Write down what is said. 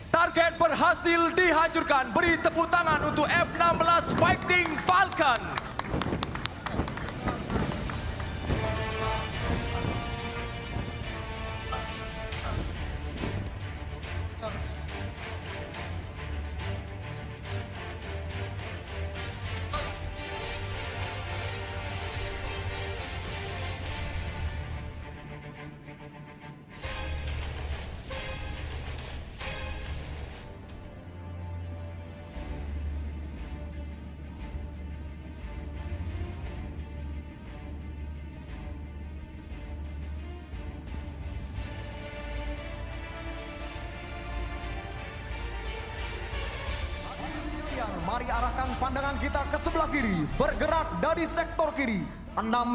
target berhasil dihancurkan beri tangan kepada f enam belas fighting falcon